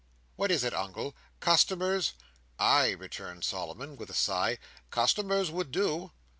"What is it, Uncle? Customers?" "Ay," returned Solomon, with a sigh. "Customers would do."